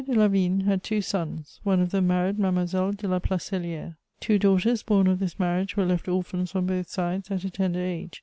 de Lavigne had two sons: one of them married Mademoiselle de La Placelière. Two daughters, born of this marriage, were left orphans on both sides at a tender age.